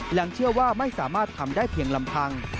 หลังเชื่อว่าไม่สามารถทำได้เพียงลำพัง